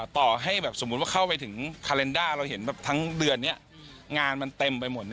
ต่อให้แบบสมมุติว่าเข้าไปถึงคาเลนด้าเราเห็นแบบทั้งเดือนนี้งานมันเต็มไปหมด